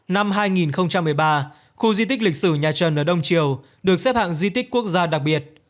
năm hai nghìn một mươi ba khu di tích lịch sử nhà trần ở đông triều được xếp hạng di tích quốc gia đặc biệt